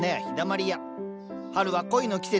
春は恋の季節。